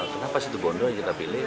kenapa situwondo yang kita pilih